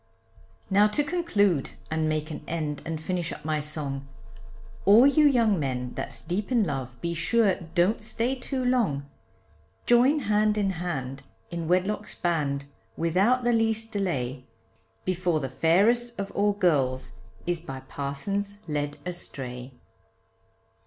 Now to conclude and make an end and finish up my song, All you young men that's deep in love, be sure don't stay too long; Join hand in hand in wedlock's band without the least delay, Before the fairest of all girls is by parsons led astray.